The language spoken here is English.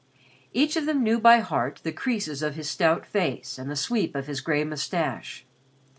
Each of them knew by heart the creases on his stout face and the sweep of his gray moustache.